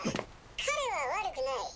彼は悪くない。